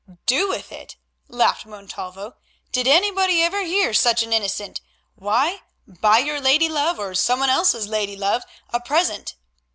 "Do with it?" laughed Montalvo, "did anybody ever hear such an innocent! Why, buy your lady love, or somebody else's lady love, a present.